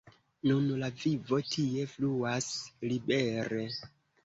Nun la vivo tie fluas libere.